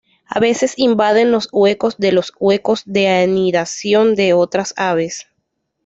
A veces invaden los huecos de los huecos de anidación de otras aves.